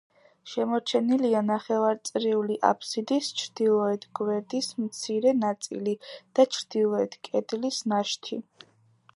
შემორჩენილია ნახევარწრიული აბსიდის ჩრდილოეთ გვერდის მცირე ნაწილი და ჩრდილოეთ კედლის ნაშთი.